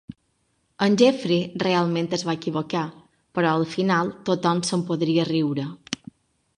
En Jeffery realment es va equivocar, però al final tothom se'n podria riure.